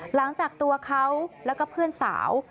หลังจากตัวเขาแล้วก็เพื่อนสาว